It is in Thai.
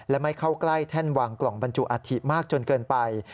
และไม่เข้าใกล้แท่นวางกล่องบรรจุอาธิมากจนเกินไป